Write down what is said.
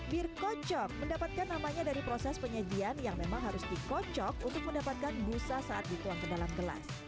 bir kocok mendapatkan namanya dari proses penyajian yang memang harus dikocok untuk mendapatkan busa saat dituang ke dalam gelas